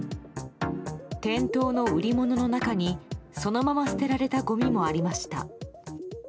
店頭の売り物の中にそのまま捨てられたごみもありました。